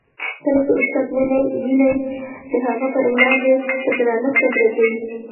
کله چي استاد وینئ، د هغه په وړاندې په درنښت ودریږئ.